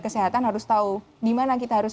kesehatan harus tahu dimana kita harus